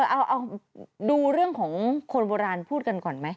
เอาดูเรื่องของคนโบราณพูดกันก่อนไหม